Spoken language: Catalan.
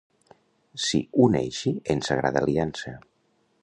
S'hi uneixi en sagrada aliança.